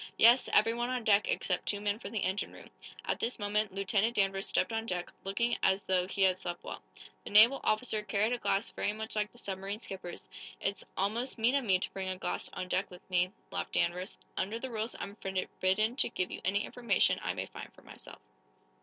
"Yes; everyone on deck, except two men for the engine room." At this moment Lieutenant Danvers stepped on deck, looking as though he had slept well. The naval officer carried a glass very much like the submarine skipper's. "It's almost mean of me to bring a glass on deck with me," laughed Danvers. "Under the rules I'm forbidden to give you any information I may find for myself."